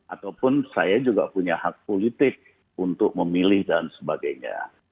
ataupun saya juga punya hak politik untuk memilih dan sebagainya